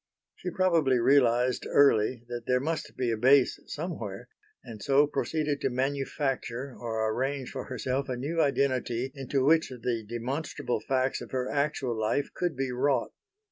She probably realised early that there must be a base somewhere, and so proceeded to manufacture or arrange for herself a new identity into which the demonstrable facts of her actual life could be wrought.